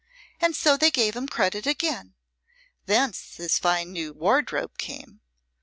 And so they gave him credit again. Thence his fine new wardrobe came.